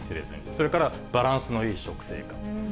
それからバランスのいい食生活。